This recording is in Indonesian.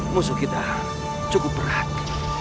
musuh kita cukup berat